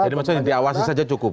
jadi maksudnya diawasi saja cukup